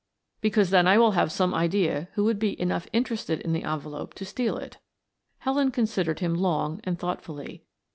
"Because then I will have some idea who would be enough interested in the envelope to steal it." Helen considered him long and thoughtfully.